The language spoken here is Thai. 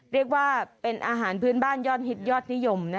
เรียกว่าเป็นอาหารพื้นบ้านยอดฮิตยอดนิยม